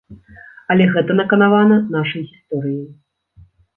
Але гэта наканавана нашай гісторыяй.